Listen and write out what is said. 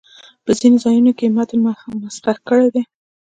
په ځینو ځایونو کې یې متن مسخ کړی دی.